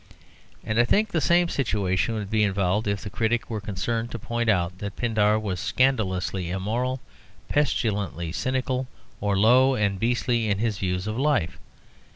And I think the same situation would be involved if the critic were concerned to point out that Pindar was scandalously immoral, pestilently cynical, or low and beastly in his views of life.